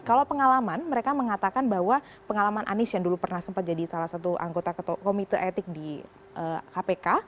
kalau pengalaman mereka mengatakan bahwa pengalaman anies yang dulu pernah sempat jadi salah satu anggota komite etik di kpk